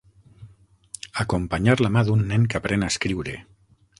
Acompanyar la mà d'un nen que aprèn a escriure.